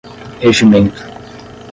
regimento